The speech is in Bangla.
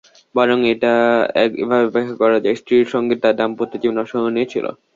বরং এটা এভাবে ব্যাখ্যা করা যায়-স্ত্রীর সঙ্গে তাঁর দাম্পত্যজীবন অসহনীয় ছিল।